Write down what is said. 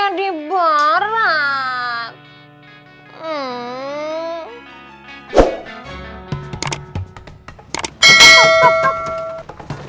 nanti dibakar sopi